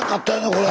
これ。